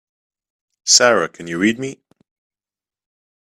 Sara can you read me?